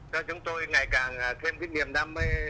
cho chúng tôi ngày càng thêm cái niềm đam mê